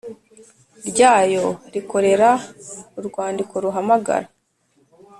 ryayo rikorera Urwandiko ruhamagara